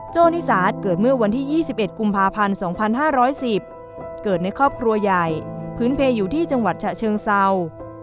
โนิสาเกิดเมื่อวันที่๒๑กุมภาพันธ์๒๕๑๐เกิดในครอบครัวใหญ่พื้นเพลอยู่ที่จังหวัดฉะเชิงเศร้า